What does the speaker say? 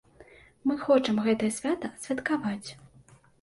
Мы хочам гэтае свята адсвяткаваць.